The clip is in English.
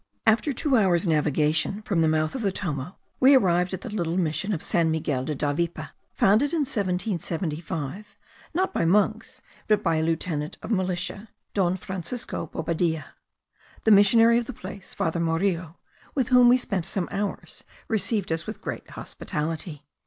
After two hours' navigation from the mouth of the Tomo we arrived at the little mission of San Miguel de Davipe, founded in 1775, not by monks, but by a lieutenant of militia, Don Francisco Bobadilla. The missionary of the place, Father Morillo, with whom we spent some hours, received us with great hospitality.